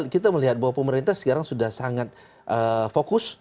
kita melihat bahwa pemerintah sekarang sudah sangat fokus